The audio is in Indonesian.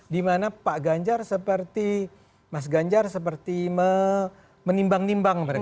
dimana pak ganjar seperti mas ganjar seperti menimbang nimbang mereka